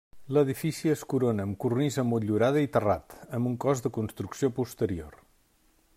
L'edifici es corona amb cornisa motllurada i terrat, amb un cos de construcció posterior.